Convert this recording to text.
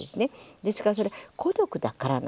ですからそれ孤独だからなんですよね。